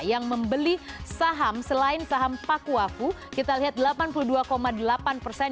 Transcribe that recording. yang membeli saham selain saham pakuafu kita lihat delapan puluh dua delapan persen